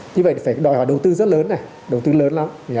như vậy phải đòi hỏi đầu tư rất lớn này đầu tư lớn lắm